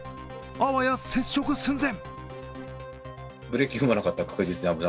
あわや接触寸前。